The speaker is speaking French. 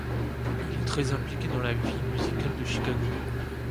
Il est très impliquée dans la vie musicale de Chicago.